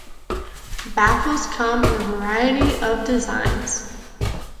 Baffles come in variety of designs.